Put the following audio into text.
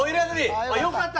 よかった！